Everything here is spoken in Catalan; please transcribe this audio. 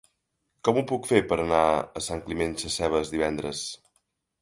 Com ho puc fer per anar a Sant Climent Sescebes divendres?